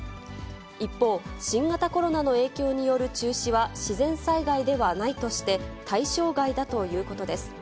一方、新型コロナの影響による中止は自然災害ではないとして、対象外だということです。